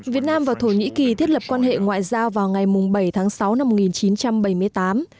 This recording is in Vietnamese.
việt nam và thổ nhĩ kỳ thiết lập quan hệ ngoại giao vào ngày bảy tháng sáu năm một nghìn chín trăm bảy mươi tám